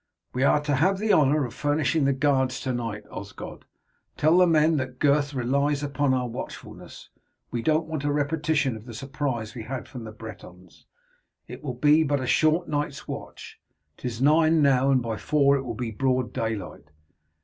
"We are to have the honour of furnishing the guards to night, Osgod. Tell the men that Gurth relies upon our watchfulness. We don't want a repetition of the surprise we had from the Bretons. It will be but a short night's watch. 'Tis nine now, and by four it will be broad daylight.